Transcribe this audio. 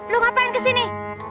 lu ngapain ke sini